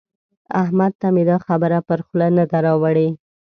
احمد ته مې دا خبره پر خوله نه ده راوړي.